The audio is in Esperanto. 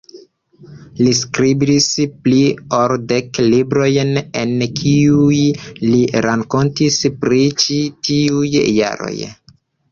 Li skribis pli ol dek librojn, en kiuj li rakontis pri ĉi tiuj jaroj.